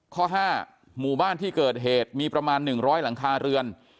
ข้อ๕หมู่บ้านที่เกิดเหตุมีประมาณ๑๐๐หลังคาเรือน